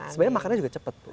sebenarnya makannya juga cepat